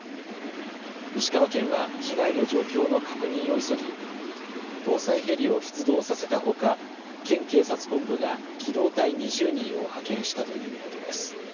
石川県は被害の状況の確認を急ぎ防災ヘリを出動させたほか県警察本部が機動隊２０人を派遣したということです。